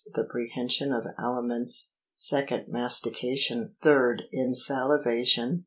The prehension of aliments, 2nd. Mastication. 3rd. Insalivation.